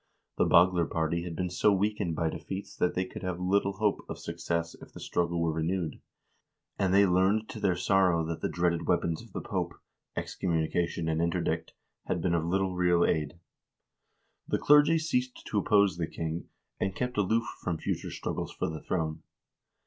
The Bagler party had been so weakened by defeats that they could have little hope of suc cess if the struggle were renewed, and they learned to their sorrow that the dreaded weapons of the Pope — excommunication and interdict — had been of little real aid. The clergy ceased to oppose the king, and kept aloof from future struggles for the throne.